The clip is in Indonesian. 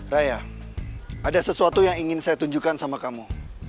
raya ada sesuatu yang ingin saya tunjukkan sama kamu